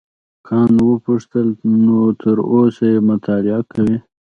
کانت وپوښتل نو تر اوسه یې مطالعه کوې.